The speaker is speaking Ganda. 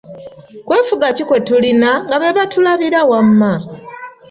"Kwefuga ki kwe tulina, nga be batulabira wamma."